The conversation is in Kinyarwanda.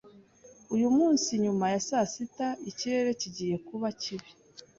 Uyu munsi nyuma ya saa sita ikirere kigiye kuba kibi.